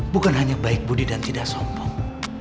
bukan hanya baik budi dan tidak sombong